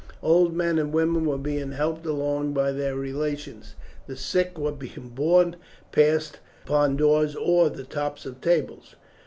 Old men and women were being helped along by their relations. The sick were being borne past upon doors or the tops of tables.